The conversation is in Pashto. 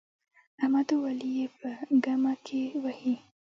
احمد او علي يې په ګمه کې وهي.